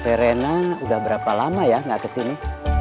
serena udah berapa lama ya nggak kesini